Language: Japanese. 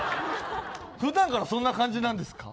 普段からそんな感じですか？